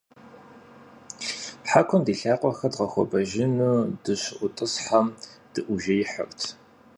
Хьэкум ди лъакъуэхэр дгъэхуэбэжыну дыщыӏутӀысхьэм, дыӏужеихьырт.